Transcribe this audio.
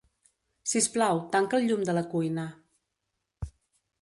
Sisplau, tanca el llum de la cuina.